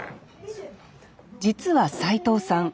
実は斎藤さん